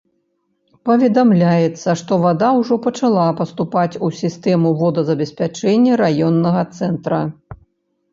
Паведамляецца, што вада ўжо пачала паступаць у сістэму водазабеспячэння раённага цэнтра.